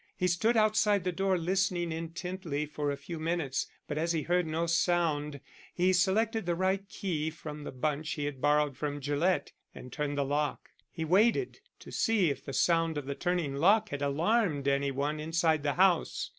He stood outside the door listening intently for a few minutes, but as he heard no sound he selected the right key from the bunch he had borrowed from Gillett, and turned the lock. He waited to see if the sound of the turning lock had alarmed any one inside the house.